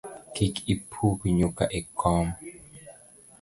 Kik ipuk nyuka e kom